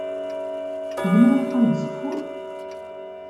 Tebna axxam deg Uzeffun?